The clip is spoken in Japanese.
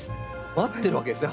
待ってるわけですね